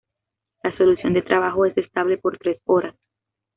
La solución de trabajo es estable por tres horas.